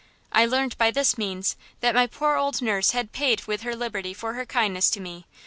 "I learned by this means that my poor old nurse had paid with her liberty for her kindness to me.